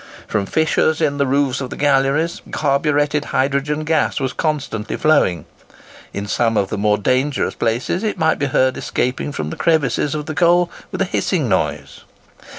From fissures in the roofs of the galleries, carburetted hydrogen gas was constantly flowing; in some of the more dangerous places it might be heard escaping from the crevices of the coal with a hissing noise.